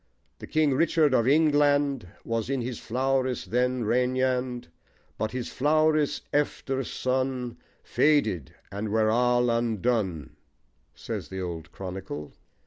The king Richard of Yngland Was in his flowris then regnand: But his flowris efter sone Fadyt, and ware all undone: says the old chronicle.